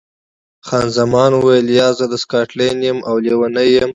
خان زمان وویل، یا، زه سکاټلنډۍ یم او لیونۍ یم.